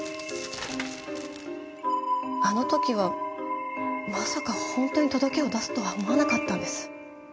あの時はまさか本当に届けを出すとは思わなかったんです。